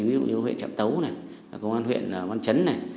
ví dụ như huyện trạm tấu này công an huyện văn chấn này